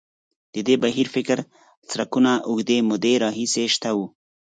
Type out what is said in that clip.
د دې بهیر فکري څرکونه اوږدې مودې راهیسې شته وو.